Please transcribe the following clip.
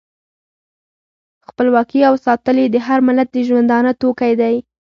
خپلواکي او ساتل یې د هر ملت د ژوندانه توکی دی.